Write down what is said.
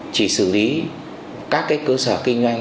chỉ xử lý các cơ sở kinh doanh